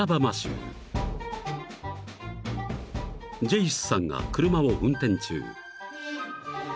［ジェイスさんが車を運転中］